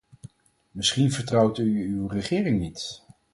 Misschien vertrouwt u uw regering niet.